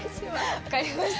分かりました。